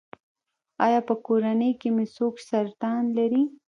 ایا په کورنۍ کې مو څوک سرطان لري؟